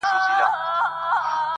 او دا غزل مي ولیکل -